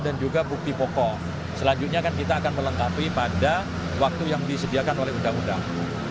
dan juga bukti pokok selanjutnya kan kita akan melengkapi pada waktu yang disediakan oleh undang undang